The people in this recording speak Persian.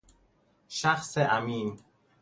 شخص امین